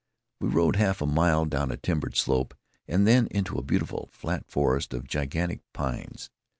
We rode half a mile down a timbered slope, and then out into a beautiful, flat forest of gigantic pines.